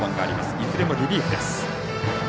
いずれもリリーフです。